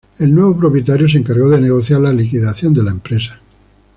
El nuevo propietario se encargó de negociar la liquidación de la empresa.